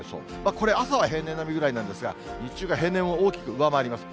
これ、朝は平年並みぐらいなんですが、日中が平年を大きく上回ります。